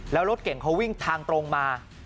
แล้วรถเก่งเขาวิ่งทางตรงมา